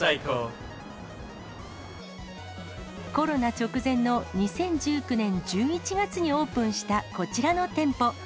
コロナ直前の２０１９年１１月にオープンしたこちらの店舗。